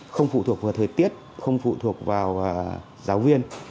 không phụ thuộc vào thời tiết không phụ thuộc vào giáo viên